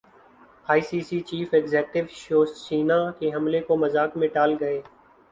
ائی سی C chief executive شوسینا کے حملے کو مذاق میں ٹال گئے